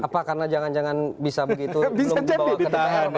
apa karena jangan jangan bisa begitu belum dibawa ke dpr